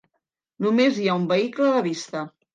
Només hi ha un vehicle a la vista.